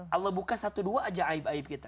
allah buka satu dua aja aib aib kita